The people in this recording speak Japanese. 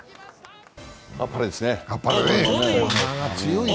あっぱれですね。